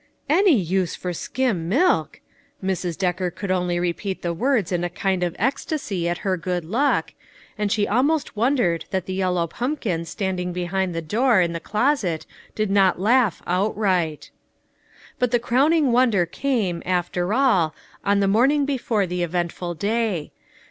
" Any use for skim milk !" Mrs. Decker could only repeat the words in a kind of ecstasy at her good luck, and she almost wondered that the yellow pumpkin standing behind the door in the closet did not laugh outright. But the crowning wonder came, after all, on the morning before the eventful day.